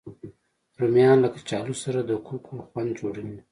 رومیان له کچالو سره د کوکو خوند جوړوي